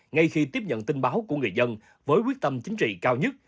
ngay khi tiếp nhận tin báo của người dân với quyết tâm chính trị cao nhất